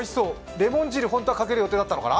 レモン汁、本当はかける予定だったのかな？